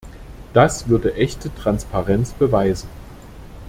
Das würde echte Transparenz beweisen.